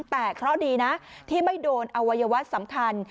แต่เคราะห์ดีนะที่ไม่โดนอวัยวะสำคัญ